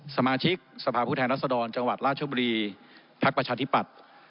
สมาชิกสภาพผู้แทนรัศดรจังหวัดราชบุรีภักดิ์ประชาธิปัตย์